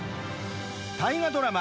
大河ドラマ